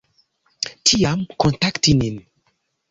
Tiam kontakti nin.